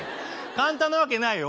簡単なわけないよ